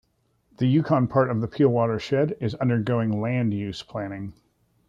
The Yukon part of the Peel Watershed is undergoing land use planning.